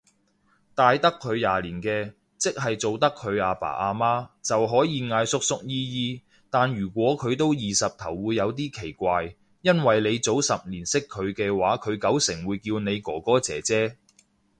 大得佢廿年嘅，即係做得佢阿爸阿媽，就可以嗌叔叔姨姨，但如果佢都二十頭會有啲奇怪，因為你早十年識佢嘅話佢九成會叫你哥哥姐姐